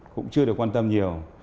cũng chưa được quan tâm nhiều